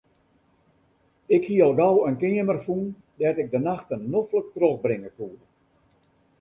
Ik hie al gau in keamer fûn dêr't ik de nachten noflik trochbringe koe.